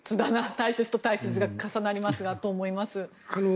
大切と大切が重なりますが思います。